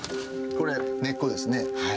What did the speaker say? これ根っこですねはい。